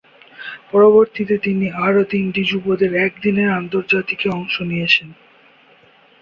পরবর্তীতে তিনি আরও তিনটি যুবদের একদিনের আন্তর্জাতিকে অংশ নিয়েছেন।